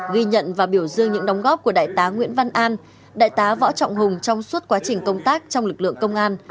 ghi nhận và biểu dương những đóng góp của đại tá nguyễn văn an đại tá võ trọng hùng trong suốt quá trình công tác trong lực lượng công an